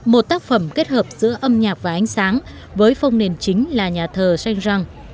một tác phẩm kết hợp giữa âm nhạc và ánh sáng với phong nền chính là nhà thờ sen răng